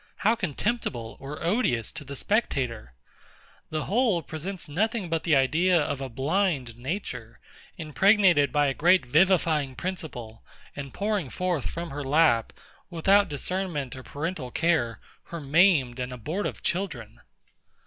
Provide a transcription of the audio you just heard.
How contemptible or odious to the spectator! The whole presents nothing but the idea of a blind Nature, impregnated by a great vivifying principle, and pouring forth from her lap, without discernment or parental care, her maimed and abortive children!